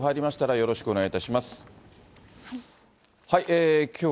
よろしくお願いします。